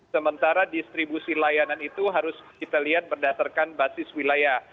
sementara distribusi layanan itu harus kita lihat berdasarkan basis wilayah